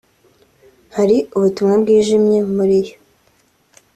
Hari ubutumwa bwijimye muri yo